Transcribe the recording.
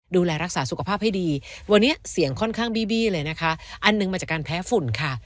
ดูแลรักษาสุขภาพให้ดีวันนี้เสียงค่อนข้างบีบี้เลยนะคะอันหนึ่งมาจากการแพ้ฝุ่นค่ะ